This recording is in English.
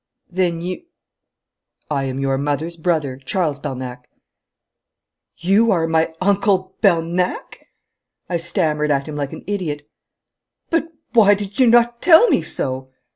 'Then you ' 'I am your mother's brother, Charles Bernac.' 'You are my Uncle Bernac!' I stammered at him like an idiot. 'But why did you not tell me so?'